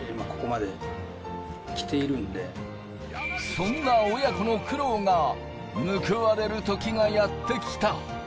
そんな親子の苦労が報われるときがやってきた。